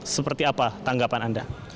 seperti apa tanggapan anda